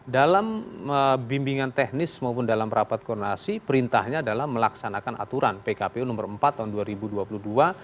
dalam bimbingan teknis maupun dalam rapat koordinasi perintahnya adalah melaksanakan aturan pkpu nomor empat tahun dua ribu dua puluh dua